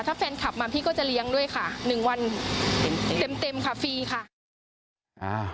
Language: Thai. ถ้าแฟนคลับมาพี่ก็จะเลี้ยงด้วยค่ะหนึ่งวันเต็มเต็มค่ะฟรีค่ะ